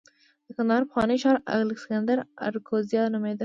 د کندهار پخوانی ښار الکسندریه اراکوزیا نومېده